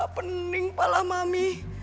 pening kepala mami